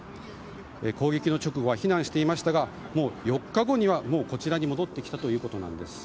攻撃の直後は避難していましたが４日後には、もうこちらに戻ってきたということです。